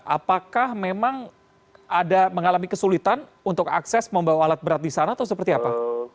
apakah memang ada mengalami kesulitan untuk akses membawa alat berat di sana atau seperti apa